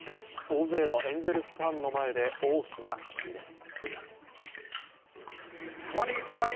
大勢のエンゼルスファンの前で大きな当たりです。